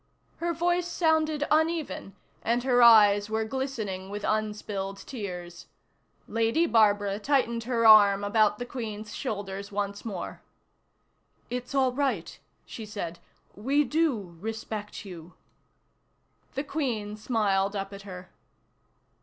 Her voice sounded uneven, and her eyes were glistening with unspilled tears. Lady Barbara tightened her arm about the Queen's shoulders once more. "It's all right," she said. "We do respect you." The Queen smiled up at her.